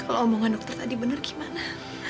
kalau omongan dokter tadi benar gimana